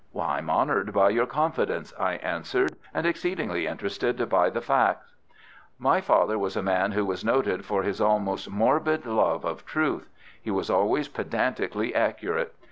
"I am honoured by your confidence," I answered, "and exceedingly interested by the facts." "My father was a man who was noted for his almost morbid love of truth. He was always pedantically accurate.